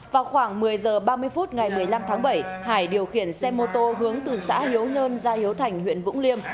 vào khoảng một mươi h ba mươi phút ngày một mươi năm tháng bảy hải điều khiển xe mô tô hướng từ xã hiếu nhơn ra hiếu thành huyện vũng liêm